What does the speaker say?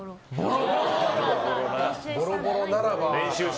ボロボロなら。